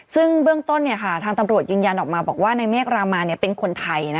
ซึ่งเบื้องต้นทางตำรวจยืนยันออกมาบอกว่าในเมฆรามานเป็นคนไทย